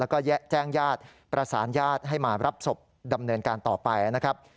แล้วก็แจ้งญาติประสานญาติให้มารับศพดำเนินการต่อไปนะครับ